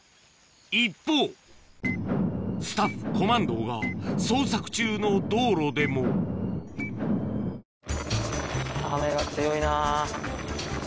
一方スタッフコマンドーが捜索中の道路でも雨が強いな。